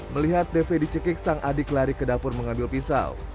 melihat dv dicekik sang adik lari ke dapur mengambil pisau